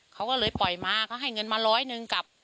เขาก็เลยปล่อยมาเขาให้เงินมาร้อยหนึ่งกับ